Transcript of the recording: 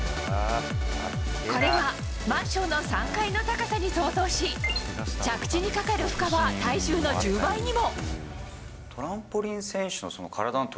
これはマンションの３階の高さに相当し着地にかかる負荷は体重の１０倍にも。